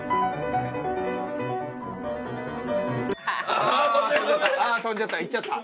ああー飛んじゃった。